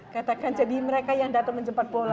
katakan jadi mereka yang datang menjemput bola